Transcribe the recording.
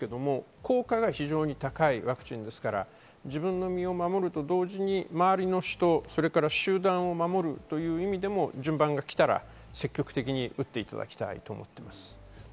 効果は非常に高いワクチンですから自分の身を守ると同時に周りの人、そして集団を守るという意味でも順番がきたら積極的に打っていただきたいと思っています。